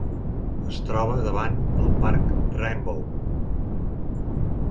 Es troba davant del parc Rainbow.